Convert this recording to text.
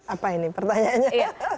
apa ini pertanyaannya